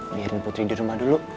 mikirin putri di rumah dulu